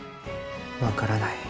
分からない。